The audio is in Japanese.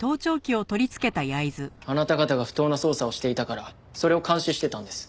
あなた方が不当な捜査をしていたからそれを監視していたんです。